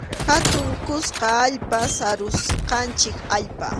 Hatun kuska allpa, sarusqanchik allpa.